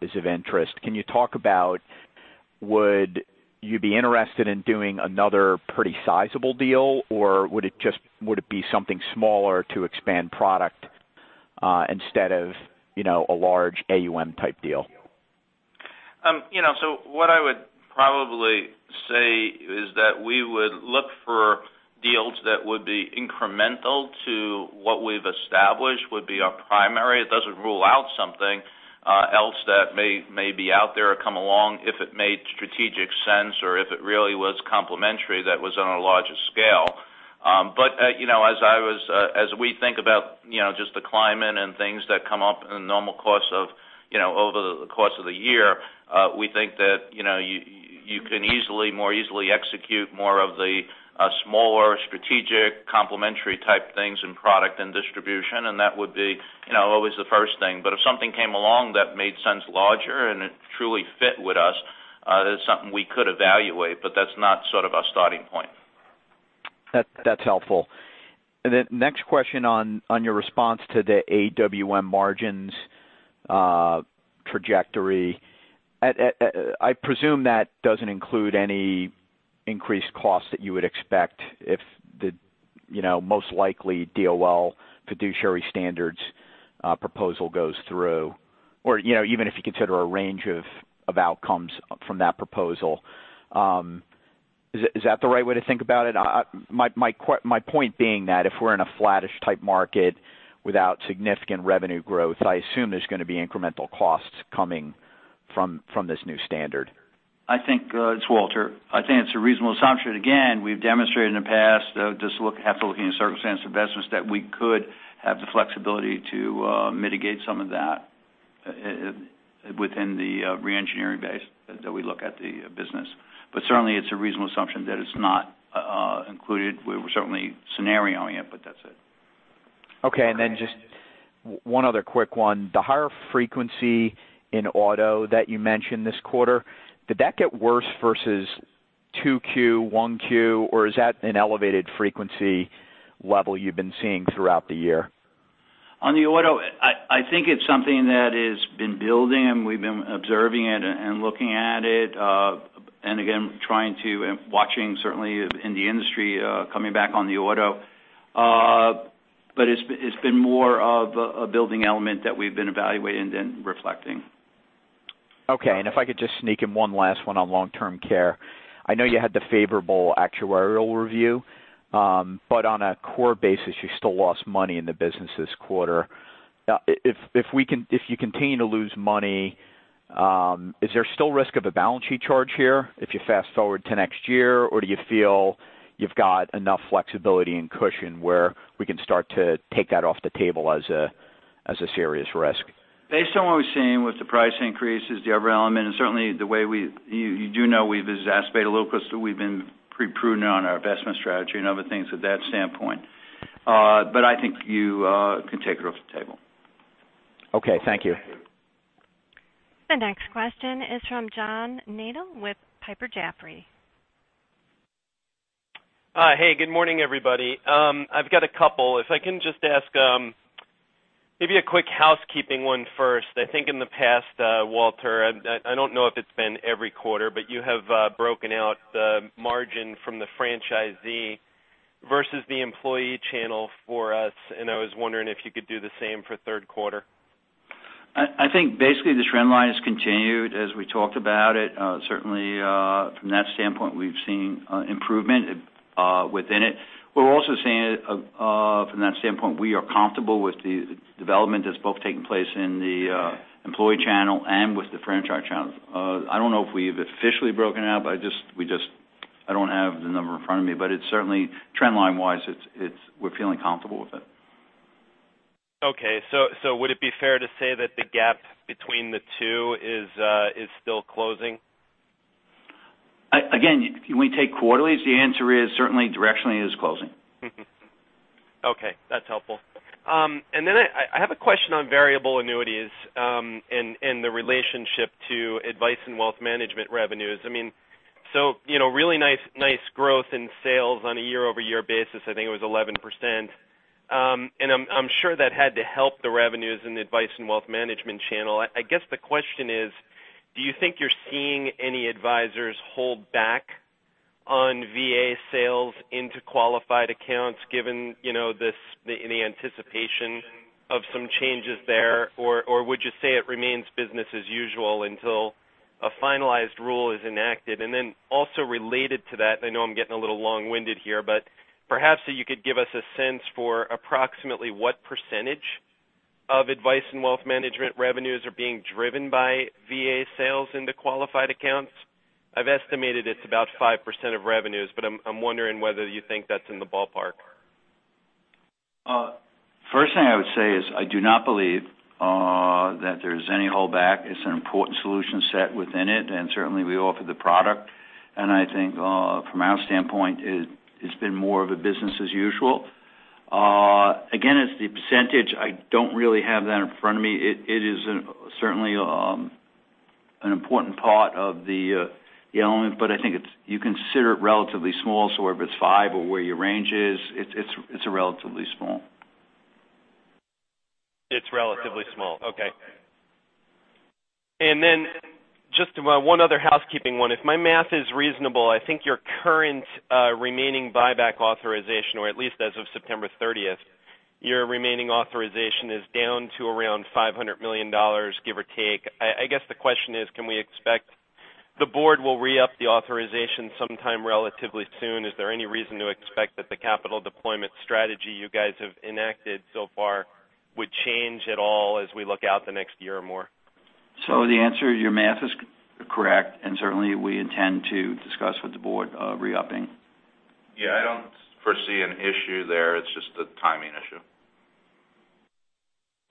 Speaker 10: is of interest. Can you talk about would you be interested in doing another pretty sizable deal, or would it be something smaller to expand product instead of a large AUM type deal?
Speaker 3: What I would probably say is that we would look for deals that would be incremental to what we've established would be our primary. It doesn't rule out something else that may be out there or come along if it made strategic sense or if it really was complementary that was on a larger scale. As we think about just the climate and things that come up in the normal course of over the course of the year, we think that you can more easily execute more of the smaller strategic complementary type things in product and distribution, and that would be always the first thing. If something came along that made sense larger and it truly fit with us, that's something we could evaluate, but that's not sort of our starting point.
Speaker 10: That's helpful. The next question on your response to the AWM margins trajectory. I presume that doesn't include any increased costs that you would expect if the most likely DOL fiduciary standards proposal goes through, or even if you consider a range of outcomes from that proposal. Is that the right way to think about it? My point being that if we're in a flattish type market without significant revenue growth, I assume there's going to be incremental costs coming from this new standard.
Speaker 4: It's Walter. I think it's a reasonable assumption. We've demonstrated in the past just after looking at circumstance investments that we could have the flexibility to mitigate some of that within the re-engineering base that we look at the business. Certainly it's a reasonable assumption that it's not included. We're certainly scenarioing it, but that's it.
Speaker 10: Okay. Just one other quick one. The higher frequency in auto that you mentioned this quarter, did that get worse versus 2Q, 1Q, or is that an elevated frequency level you've been seeing throughout the year?
Speaker 4: On the auto, I think it's something that has been building, and we've been observing it and looking at it, watching certainly in the industry coming back on the auto. It's been more of a building element that we've been evaluating than reflecting.
Speaker 10: Okay. If I could just sneak in one last one on long-term care. I know you had the favorable actuarial review. On a core basis, you still lost money in the business this quarter. If you continue to lose money, is there still risk of a balance sheet charge here if you fast-forward to next year, or do you feel you've got enough flexibility and cushion where we can start to take that off the table as a- As a serious risk.
Speaker 4: Based on what we've seen with the price increases, the other element, certainly you do know we've been pretty prudent on our investment strategy and other things from that standpoint. I think you can take it off the table.
Speaker 10: Okay, thank you.
Speaker 1: The next question is from John Nadel with Piper Jaffray.
Speaker 11: Hi. Hey, good morning, everybody. I've got a couple. If I can just ask, maybe a quick housekeeping one first. I think in the past, Walter, I don't know if it's been every quarter, but you have broken out the margin from the franchisee versus the employee channel for us, and I was wondering if you could do the same for the third quarter.
Speaker 4: I think basically this trend line has continued as we talked about it. Certainly from that standpoint, we've seen improvement within it. We're also seeing it from that standpoint, we are comfortable with the development that's both taking place in the employee channel and with the franchise channel. I don't know if we've officially broken out, but I don't have the number in front of me. Certainly trend line-wise, we're feeling comfortable with it.
Speaker 11: Okay. Would it be fair to say that the gap between the two is still closing?
Speaker 4: Can we take quarterly? The answer is certainly directionally it is closing.
Speaker 11: That's helpful. I have a question on variable annuities, and the relationship to Advice & Wealth Management revenues. Really nice growth in sales on a year-over-year basis, I think it was 11%. I'm sure that had to help the revenues in the Advice & Wealth Management channel. I guess the question is, do you think you're seeing any advisors hold back on VA sales into qualified accounts given any anticipation of some changes there? Would you say it remains business as usual until a finalized rule is enacted? Also related to that, I know I'm getting a little long-winded here, but perhaps you could give us a sense for approximately what percentage of Advice & Wealth Management revenues are being driven by VA sales into qualified accounts. I've estimated it's about 5% of revenues, I'm wondering whether you think that's in the ballpark.
Speaker 4: First thing I would say is I do not believe that there's any hold back. It's an important solution set within it, and certainly we offer the product. I think from our standpoint, it's been more of a business as usual. As the percentage, I don't really have that in front of me. It is certainly an important part of the element, I think you consider it relatively small. Whether it's five or where your range is, it's relatively small.
Speaker 11: It's relatively small. Okay. Just one other housekeeping one. If my math is reasonable, I think your current remaining buyback authorization, or at least as of September 30th, your remaining authorization is down to around $500 million, give or take. I guess the question is, can we expect the board will re-up the authorization sometime relatively soon? Is there any reason to expect that the capital deployment strategy you guys have enacted so far would change at all as we look out the next year or more?
Speaker 4: The answer is your math is correct, certainly we intend to discuss with the board re-upping.
Speaker 3: Yeah, I don't foresee an issue there. It's just a timing issue.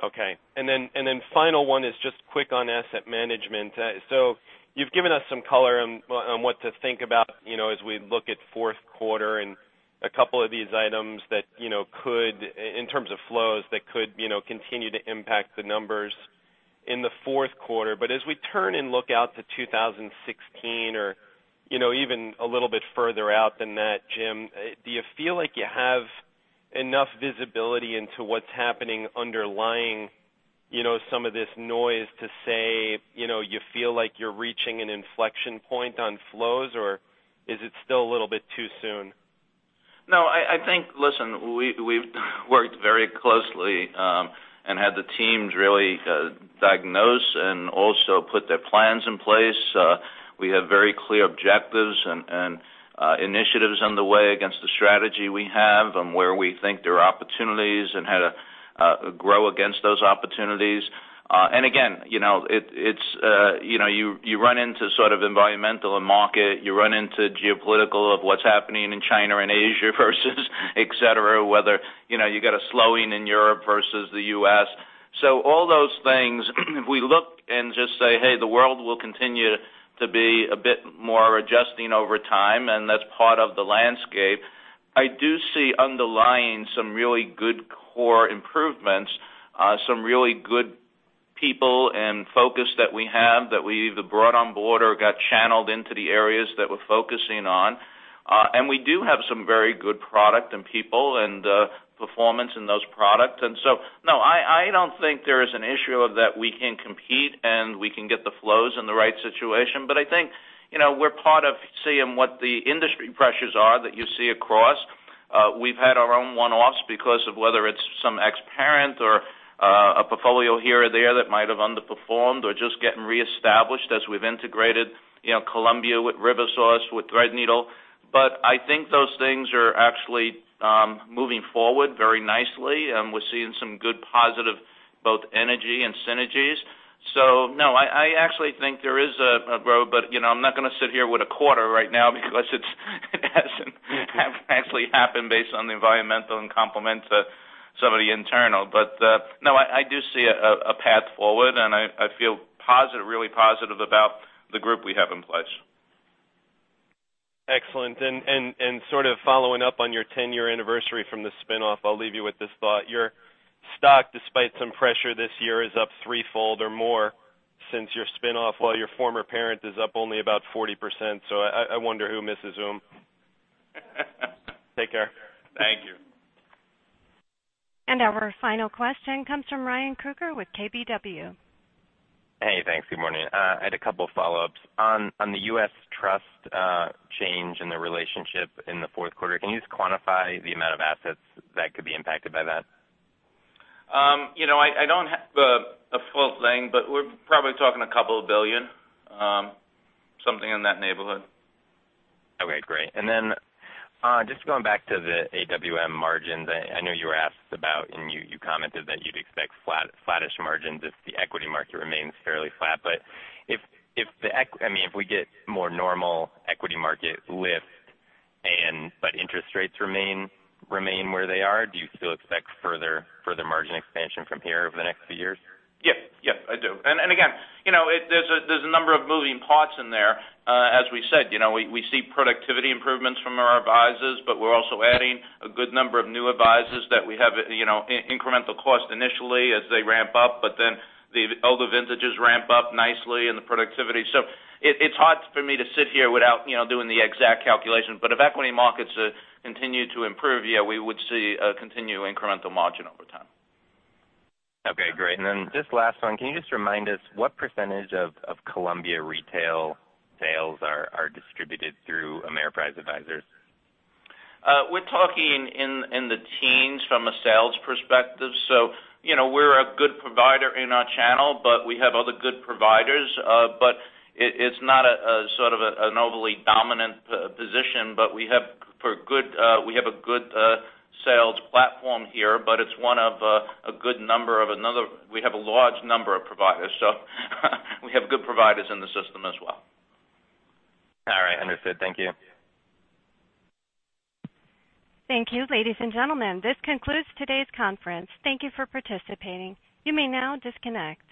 Speaker 11: Okay. Final one is just quick on asset management. You've given us some color on what to think about as we look at fourth quarter and a couple of these items that in terms of flows, that could continue to impact the numbers in the fourth quarter. As we turn and look out to 2016 or even a little bit further out than that, Jim, do you feel like you have enough visibility into what's happening underlying some of this noise to say you feel like you're reaching an inflection point on flows, or is it still a little bit too soon?
Speaker 3: No, I think, listen, we've worked very closely and had the teams really diagnose and also put their plans in place. We have very clear objectives and initiatives underway against the strategy we have and where we think there are opportunities and how to grow against those opportunities. Again, you run into sort of environmental and market. You run into geopolitical of what's happening in China and Asia versus et cetera, whether you got a slowing in Europe versus the U.S. All those things, if we look and just say, "Hey, the world will continue to be a bit more adjusting over time," and that's part of the landscape. I do see underlying some really good core improvements, some really good people and focus that we have that we either brought on board or got channeled into the areas that we're focusing on. We do have some very good product and people and performance in those products. No, I don't think there is an issue of that we can compete and we can get the flows in the right situation. I think we're part of seeing what the industry pressures are that you see across. We've had our own one-offs because of whether it's some ex-parent or a portfolio here or there that might have underperformed or just getting re-established as we've integrated Columbia with RiverSource, with Threadneedle. I think those things are actually moving forward very nicely, and we're seeing some good positive, both energy and synergies. No, I actually think there is a growth, but I'm not going to sit here with a quarter right now because it's, actually happen based on the environmental and complement some of the internal. No, I do see a path forward, and I feel really positive about the group we have in place.
Speaker 11: Excellent. Sort of following up on your 10-year anniversary from the spinoff, I'll leave you with this thought. Your stock, despite some pressure this year, is up threefold or more since your spinoff, while your former parent is up only about 40%. I wonder who misses whom. Take care.
Speaker 3: Thank you.
Speaker 1: Our final question comes from Ryan Krueger with KBW.
Speaker 12: Hey, thanks. Good morning. I had a couple of follow-ups. On the U.S. Trust change in the relationship in the fourth quarter, can you just quantify the amount of assets that could be impacted by that?
Speaker 3: I don't have a full thing, but we're probably talking a couple of billion, something in that neighborhood.
Speaker 12: Okay, great. Just going back to the AWM margins, I know you were asked about, and you commented that you'd expect flattish margins if the equity market remains fairly flat. If we get more normal equity market lift but interest rates remain where they are, do you still expect further margin expansion from here over the next few years?
Speaker 3: Yes, I do. Again, there's a number of moving parts in there. As we said, we see productivity improvements from our advisors, but we're also adding a good number of new advisors that we have incremental cost initially as they ramp up, then the older vintages ramp up nicely in the productivity. It's hard for me to sit here without doing the exact calculation. If equity markets continue to improve, yeah, we would see a continuing incremental margin over time.
Speaker 12: Okay, great. This last one, can you just remind us what percentage of Columbia retail sales are distributed through Ameriprise advisors?
Speaker 3: We're talking in the teens from a sales perspective. We're a good provider in our channel, we have other good providers. It's not a sort of an overly dominant position, we have a good sales platform here, it's one of a good number of another. We have a large number of providers, we have good providers in the system as well.
Speaker 12: All right. Understood. Thank you.
Speaker 1: Thank you. Ladies and gentlemen, this concludes today's conference. Thank you for participating. You may now disconnect.